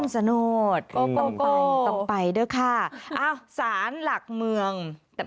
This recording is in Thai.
อ่าวมองนี้ขึ้นสิบอ